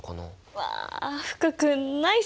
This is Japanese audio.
うわ福くんナイス！